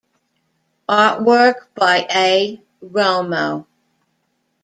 Artwork by A. Romo.